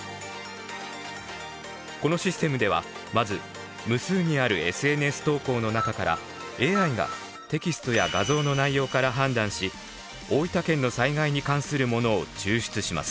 このシステムではまず無数にあるＳＮＳ投稿の中からＡＩがテキストや画像の内容から判断し大分県の災害に関するものを抽出します。